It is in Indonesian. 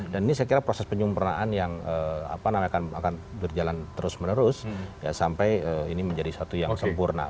dan ini saya kira proses penyempurnaan yang apa namanya akan berjalan terus menerus ya sampai ini menjadi satu yang sempurna